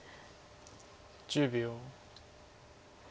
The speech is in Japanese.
１０秒。